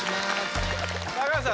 高橋さん